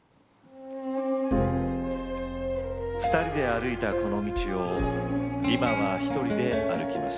２人で歩いたこの道を今は１人で歩きます。